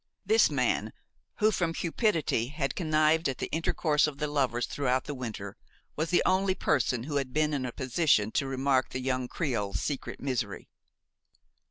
This man who, from cupidity, had connived at the intercourse of the lovers throughout the winter, was the only person who had been in a position to remark the young creole's secret misery.